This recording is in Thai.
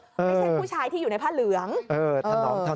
ไม่ใช่ผู้ชายที่อยู่ในผ้าเหลือง